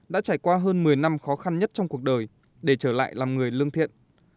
đã trải qua hơn một mươi năm khó khăn nhất trong cuộc đời để trở lại làm người lương thiện